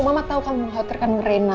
mama tau kamu menghotelkan rena